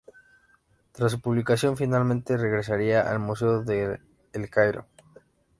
Tras su publicación, finalmente regresaría al Museo de El Cairo.